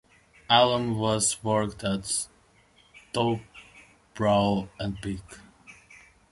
Alum was worked at Stoupe Brow and Peak.